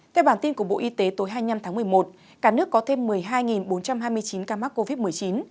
theo bản tin của bộ y tế tối hai mươi năm tháng một mươi một cả nước có thêm một mươi hai bốn trăm hai mươi chín ca mắc covid một mươi chín